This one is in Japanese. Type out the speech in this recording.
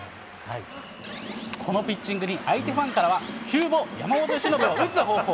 このピッチングに、相手ファンからは、急募、山本由伸を打つ方法。